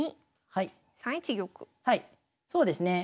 はいそうですね。